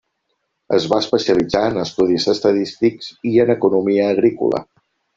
Es va especialitzar en estudis estadístics i en economia agrícola.